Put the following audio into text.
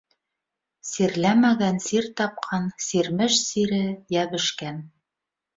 Сирләмәгән сир тапҡан, сирмеш сире йәбешкән.